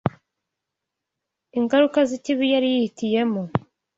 ingaruka z’ikibi yari yihitiyemo